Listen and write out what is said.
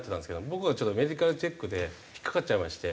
僕がちょっとメディカルチェックで引っかかっちゃいまして。